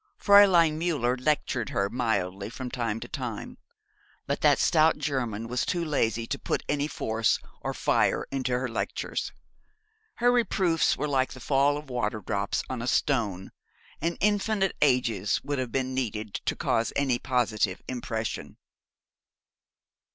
Fräulein Müller lectured her mildly from time to time; but that stout German was too lazy to put any force or fire into her lectures. Her reproofs were like the fall of waterdrops on a stone, and infinite ages would have been needed to cause any positive impression.